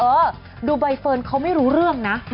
เออดูใบเฟิร์นเขาไม่รู้เรื่องนะ